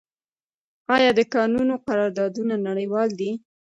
آیا د کانونو قراردادونه نړیوال دي؟